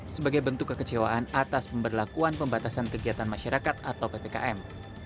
sebagai bentuk kekecewaan atas pemberlakuan pembatasan kegiatan masyarakat atau ppkm